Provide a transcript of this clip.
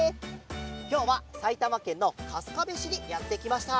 きょうはさいたまけんのかすかべしにやってきました。